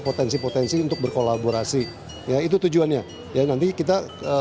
potensi potensi untuk berkolaborasi ya itu tujuannya ya nanti kita